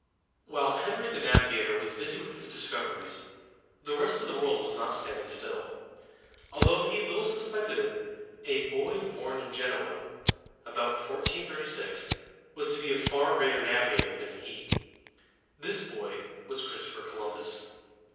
While Henry the Navigator was busy with his discoveries, the rest of the world was not standing still. Although he little suspected it, a boy born in Genoa, about 1436, was to be a far greater navigator than he. This boy was Christopher Columbus.